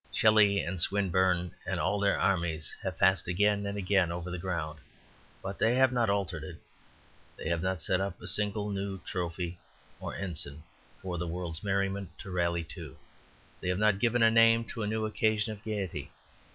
Shelley and Swinburne and all their armies have passed again and again over the ground, but they have not altered it. They have not set up a single new trophy or ensign for the world's merriment to rally to. They have not given a name or a new occasion of gaiety.